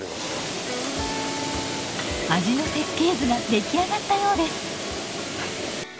味の設計図が出来上がったようです。